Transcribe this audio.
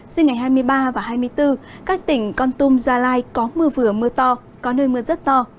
sinh ngày hai mươi ba và hai mươi bốn các tỉnh con tum gia lai có mưa vừa mưa to có nơi mưa rất to